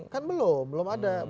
kan belum belum ada